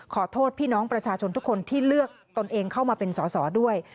ขอโทษพี่น้องประชาชนทุกคนที่เลือกตนเองเข้ามาเป็นสอสอด้วย